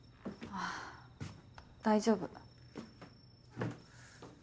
ああ大丈夫。